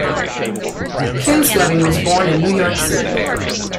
Kinsolving was born in New York City.